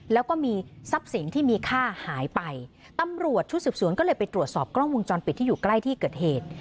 แล้วก็มีทรัพย์สินที่มีค่าหายไปตำรวจชุดสืบสวนก็เลยไปตรวจสอบกล้องวงจรปิดที่อยู่ใกล้ที่เกิดเหตุ